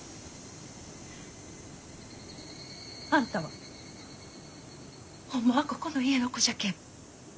あんたはホンマはここの家の子じゃけん。